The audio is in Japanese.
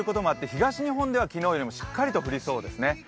東日本では昨日よりもしっかりと降りそうですね。